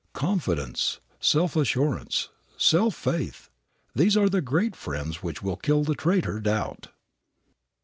Confidence, self assurance, self faith these are the great friends which will kill the traitor doubt.